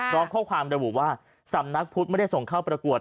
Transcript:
พร้อมข้อความระบุว่าสำนักพุทธไม่ได้ส่งเข้าประกวด